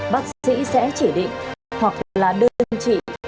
bác sĩ sẽ chỉ định hoặc là đơn trị